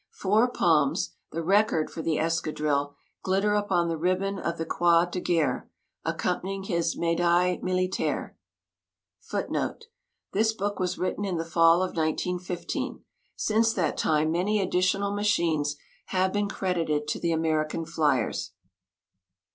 Four "palms" the record for the escadrille, glitter upon the ribbon of the Croix de Guerre accompanying his Médaille Militaire. [Footnote: This book was written in the fall of 1915. Since that time many additional machines have been credited to the American flyers.